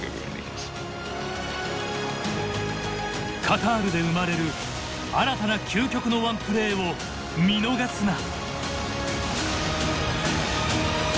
カタールで生まれる新たな究極のワンプレーを見逃すな！